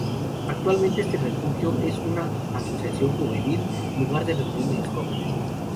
Actualmente este refugio es una asociación juvenil, lugar de reunión de los jóvenes.